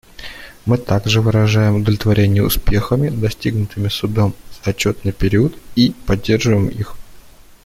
Мы также выражаем удовлетворение успехами, достигнутыми Судом за отчетный период, и поддерживаем их.